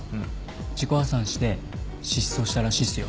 自己破産して失踪したらしいっすよ。